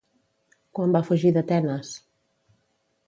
Quan va fugir d'Atenes?